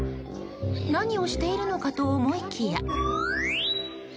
何をしているのかと思いきや。